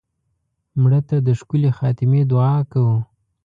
مړه ته د ښکلې خاتمې دعا کوو